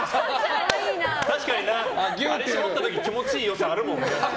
確かにな、あれ搾った時気持ちいい良さあるもんな。